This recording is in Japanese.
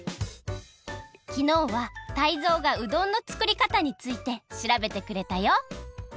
きのうはタイゾウがうどんの作りかたについてしらべてくれたよ。